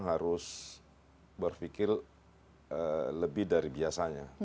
harus berpikir lebih dari biasanya